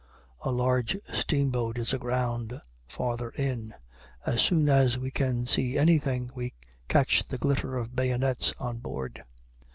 A large steamboat is aground farther in. As soon as we can see anything, we catch the glitter of bayonets on board.